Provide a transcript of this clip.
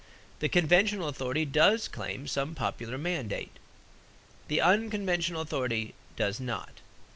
The conventional authority does claim some popular mandate; the unconventional authority does not.